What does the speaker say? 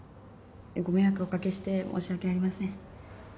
ご迷惑をお掛けして申し訳ありません。